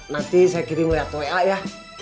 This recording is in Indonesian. nanti saya kirim lewat wa ya